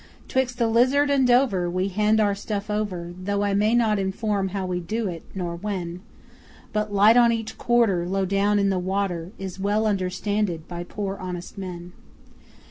'Twix' the Lizard and Dover, We hand our stuff over, Though I may not inform how we do it, nor when; But a light on each quarter Low down on the water Is well understanded by poor honest men.